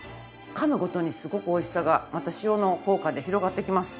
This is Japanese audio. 噛むごとにすごく美味しさがまた塩の効果で広がっていきます。